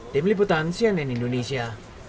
tim liputan cnn indonesia